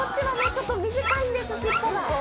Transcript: ちょっと短いんですシッポが。